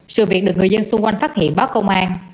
sự việc được người dân xung quanh phát hiện báo công an